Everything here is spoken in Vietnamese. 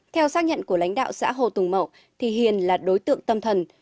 theo xác nhận của lãnh đạo xã hồ tùng mậu thì hiền là đối tượng tâm thần